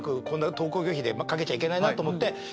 こんな登校拒否で掛けちゃいけないなと思って。